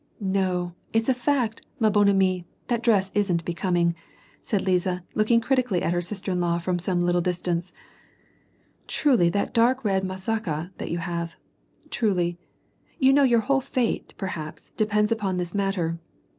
•' No, it's a fact, ma bonne amte, that dress isn't becoming," said Liza, looking critically at her sister in law from some little distance. " Try that dark red masakd that you have. Truly ! you know your whole fate, perhaps, depends upon this mat ter.